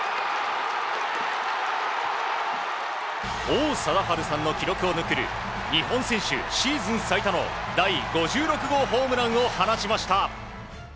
王貞治さんの記録を抜く日本選手シーズン最多の第５６号ホームランを放ちました。